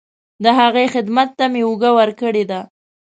د هغې خدمت ته مې اوږه ورکړې ده.